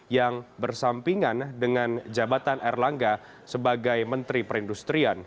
yang bersampingan dengan jabatan erlangga sebagai menteri perindustrian